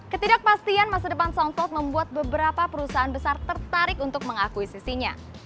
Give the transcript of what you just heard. ketidakpastian masa depan soundtrack membuat beberapa perusahaan besar tertarik untuk mengakuisisinya